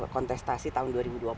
kontestasi tahun dua ribu dua puluh empat